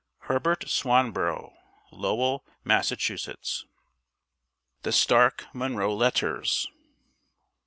HERBERT SWANBOROUGH. LOWELL, MASS. THE STARK MUNRO LETTERS.